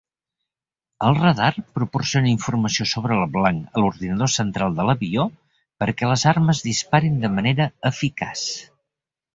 El radar proporciona informació sobre el blanc a l'ordinador central de l'avió perquè les armes disparin de manera eficaç.